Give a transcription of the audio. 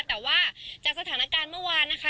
แต่ว่าจากสถานการณ์เมื่อวานนะคะ